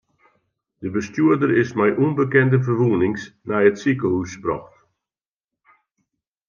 De bestjoerder is mei ûnbekende ferwûnings nei it sikehús brocht.